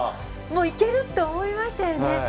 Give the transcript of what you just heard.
いける！と思いましたよね。